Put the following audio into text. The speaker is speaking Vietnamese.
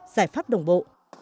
giải pháp đồng bộ